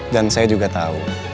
dan saya juga tahu